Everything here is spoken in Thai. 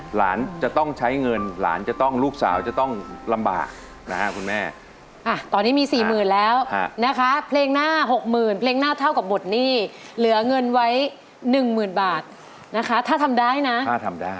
หลานจะต้องใช้เงินหลานจะต้องลูกสาวจะต้องลำบากนะครับคุณแม่